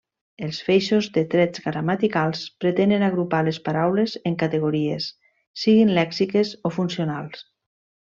Els feixos de trets gramaticals permeten agrupar les paraules en categories, siguin lèxiques o funcionals.